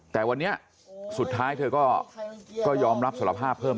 แต่วันนี้สุดท้ายเธอก็ยอมรับสารภาพเพิ่ม